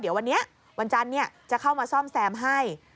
เดี๋ยววันนี้วันจันทร์จะเข้ามาซ่อมแซมให้